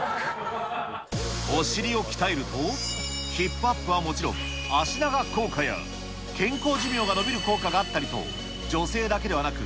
お尻を鍛えると、ヒップアップはもちろん、脚長効果や、健康寿命が延びる効果があったりと、女性だけではなく、